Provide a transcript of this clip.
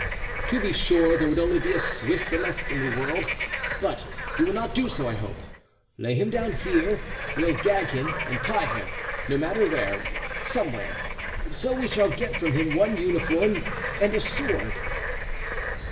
"To be sure there would only be a Swiss the less in the world; but you will not do so, I hope. Lay him down here; we'll gag him and tie him—no matter where—somewhere. So we shall get from him one uniform and a sword."